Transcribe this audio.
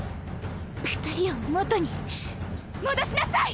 二人を元に戻しなさい！